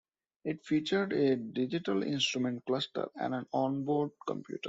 It featured a digital instrument cluster and an onboard computer.